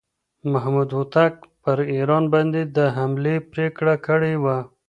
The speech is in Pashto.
محمود هوتک پر ایران باندې د حملې پرېکړه کړې وه.